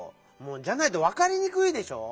じゃないとわかりにくいでしょう！